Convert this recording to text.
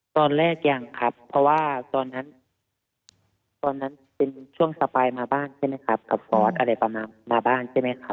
ตอนแรกยังครับเพราะว่าตอนนั้นตอนนั้นเป็นช่วงสปายมาบ้านใช่ไหมครับกับฟอสอะไรประมาณมาบ้านใช่ไหมครับ